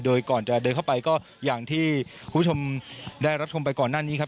โดยก่อนจะเดินเข้าไปก็อย่างที่คุณผู้ชมได้รับชมไปก่อนหน้านี้ครับ